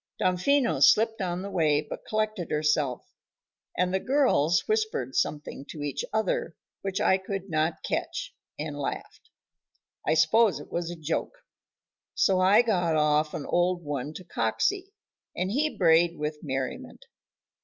Damfino slipped on the way but collected herself, and the "girls" whispered something to each other, which I could not catch, and laughed. I suppose it was a joke, so I got off an old one to Coxey, and he brayed with merriment.